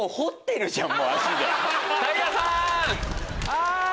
はい！